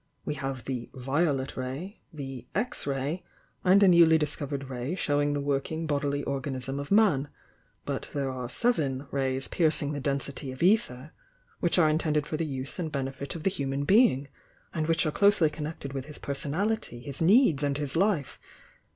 We have the 'vio let ray,' the 'X ray' — and a newly discovered ray showing the working bodily organism of man, — but Uiere are Seven Rays piercing the density of ether, which are intended for the use and benefit of the human being, and which are closely connected with his personality, his needs and his life.